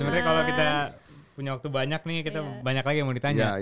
sebenarnya kalau kita punya waktu banyak nih kita banyak lagi yang mau ditanya